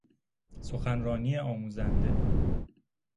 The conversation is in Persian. سخنرانی آموزنده